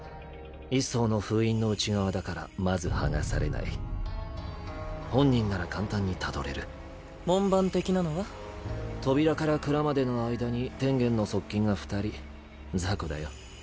一層の封印の内側だからまずがされない本人なら簡単にたどれる門番的なの扉から蔵までの間に天元の側近が２人ザコだよ。